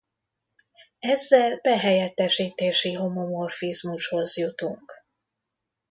Ezzel behelyettesítési homomorfizmushoz jutunk.